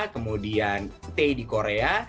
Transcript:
kemudian stay di korea